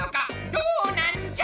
どうなんじゃ！